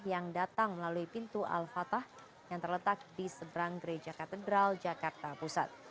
yang datang melalui pintu al fatah yang terletak di seberang gereja katedral jakarta pusat